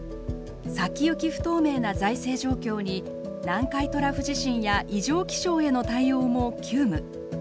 「先行き不透明な財政状況に南海トラフ地震や異常気象への対応も急務」。